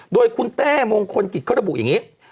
โดยคุณเต้มงคลกิจเขาระบุอย่างนี้